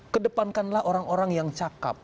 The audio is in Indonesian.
kedepankanlah orang orang yang cakep